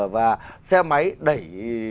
và xe máy đẩy